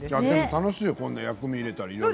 楽しいよ薬味入れたり。